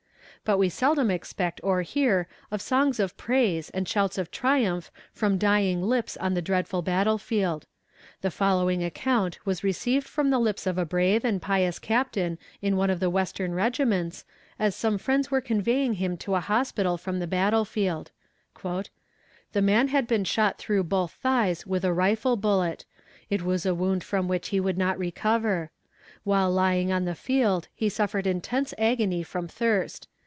But we seldom expect or hear of songs of praise and shouts of triumph from dying lips on the dreadful battle field. The following account was received from the lips of a brave and pious captain in one of the Western regiments, as some friends were conveying him to a hospital from the battle field: "The man had been shot through both thighs with a rifle bullet; it was a wound from which he could not recover. While lying on the field he suffered intense agony from thirst.